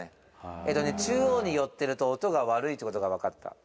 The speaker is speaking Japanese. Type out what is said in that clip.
えっとね、中央に寄ってると、音が悪いということが分かった。